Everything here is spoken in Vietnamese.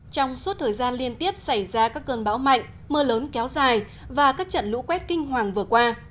trong suốt thời gian liên tiếp xảy ra các cơn bão mạnh mưa lớn kéo dài và các trận lũ quét kinh hoàng vừa qua